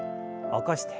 起こして。